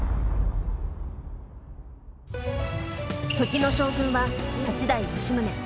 時の将軍は八代・吉宗。